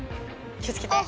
気をつけて！